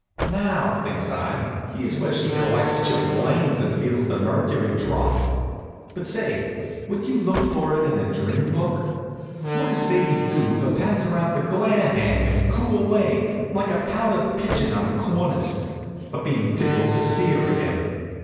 "Now," thinks I, "here's where she collects chilblains and feels the mercury drop." But say! would you look for it in a dream book? What does Sadie do but pass her out the glad hand and coo away, like a pouter pigeon on a cornice, about being tickled to see her again.